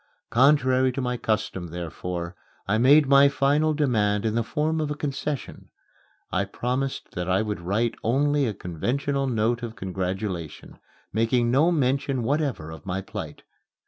Contrary to my custom, therefore, I made my final demand in the form of a concession. I promised that I would write only a conventional note of congratulation, making no mention whatever of my plight.